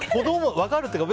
分かるっていうか